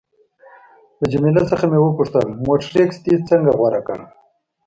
له جميله څخه مې وپوښتل: مونټریکس دې څنګه غوره کړ؟